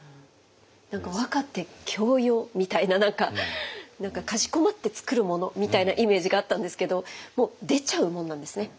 何か和歌って教養みたいなかしこまって作るものみたいなイメージがあったんですけどもう出ちゃうもんなんですね。